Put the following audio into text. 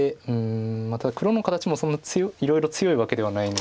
また黒の形もそんないろいろ強いわけではないので。